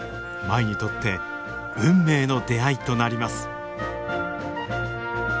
舞にとって運命の出会いとなります。